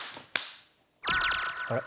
あれ？